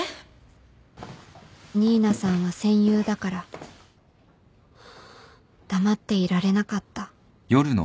新名さんは戦友だから黙っていられなかった